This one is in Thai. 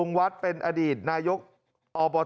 ทำไมคงคืนเขาว่าทำไมคงคืนเขาว่า